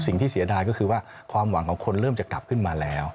เสียดายก็คือว่าความหวังของคนเริ่มจะกลับขึ้นมาแล้ว